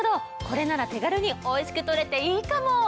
これなら手軽においしく取れていいかも！